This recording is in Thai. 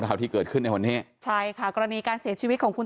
ข่าวที่เกิดขึ้นในวันนี้ใช่ค่ะกรณีการเสียชีวิตของคุณ